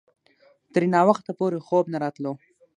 ترې ناوخته پورې خوب نه راتلو.